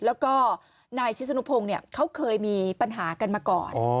แล้วก็นายชิสนุพงศ์เขาเคยมีปัญหากันมาก่อน